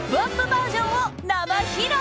バージョン」を生披露！